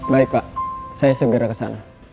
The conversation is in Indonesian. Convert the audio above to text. baik pak saya segera ke sana